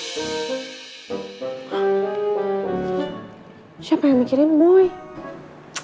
dan menghentikan pembahasan dari kegiatan bahwa tersebut